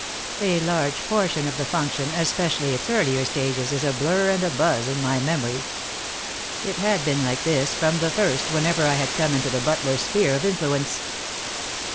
A large portion of the function, especially its earlier stages, is a blur and a buzz in my memory. It had been like this from the first, whenever I had come into the butler's sphere of influence.